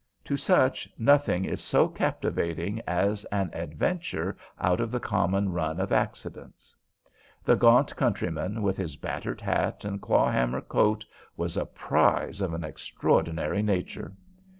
To such nothing is so captivating as an adventure out of the common run of accidents. The gaunt countryman, with his battered hat and clawhammer coat, was a prize of an extraordinary nature.